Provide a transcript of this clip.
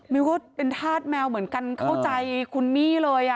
มิวก็เป็นธาตุแมวเหมือนกันเข้าใจคุณมี่เลย